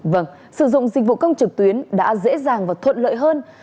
vâng sử dụng dịch vụ công trực tuyến đã dễ dàng và thuận lợi hơn